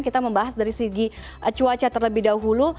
kita membahas dari segi cuaca terlebih dahulu